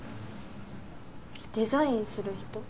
デザインする人？